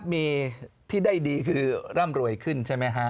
มีที่ได้ดีคือร่ำรวยขึ้นใช่ไหมฮะ